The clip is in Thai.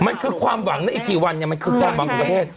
มันคือความหวังนะอีกกี่วันเนี่ยมันคือความหวังของประเทศ